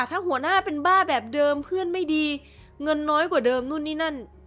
ถ้าหัวหน้าเป็นบ้าแบบเดิมเพื่อนไม่ดีเงินน้อยกว่าเดิมนู่นนี่นั่น